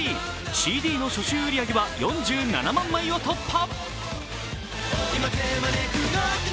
ＣＤの初週売り上げは４７万枚を突破。